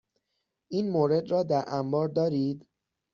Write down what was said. این مورد را در انبار دارید؟